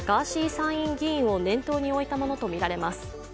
参院議員を念頭に置いたものとみられます。